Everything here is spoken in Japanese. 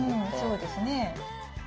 そうですね。